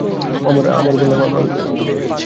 আমর বললাম, আমরা মদীনায়ই যাচ্ছি।